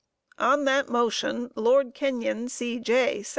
On that motion Lord Kenyon, C.J.